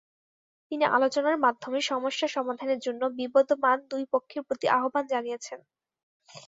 তিনি আলোচনার মাধ্যমে সমস্যা সমাধানের জন্য বিবদমান দুই পক্ষের প্রতি আহ্বান জানিয়েছেন।